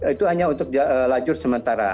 itu hanya untuk lajur sementara